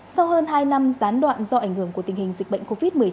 sau hơn hai năm gián đoạn do ảnh hưởng của tình hình dịch bệnh covid một mươi chín